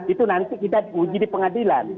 itu nanti kita uji di pengadilan